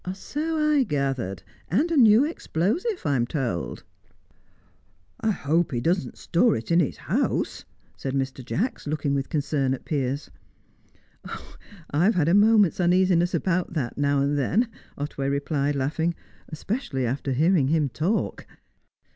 "So I gathered. And a new explosive, I'm told." "I hope he doesn't store it in his house?" said Mr. Jacks, looking with concern at Piers. "I've had a moment's uneasiness about that, now and then," Otway replied, laughing, "especially after hearing him talk."